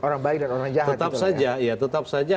orang baik dan orang yang tetap saja ya tetap saja